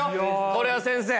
これは先生。